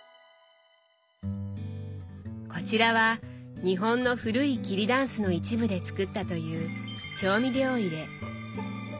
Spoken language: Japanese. こちらは日本の古い桐だんすの一部で作ったという調味料入れ。